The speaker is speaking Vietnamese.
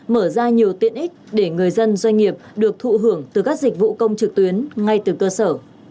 mở ra nhiều tiện ích để người dân doanh nghiệp được thụ hưởng từ các dịch vụ công trực tuyến ngay từ cơ sở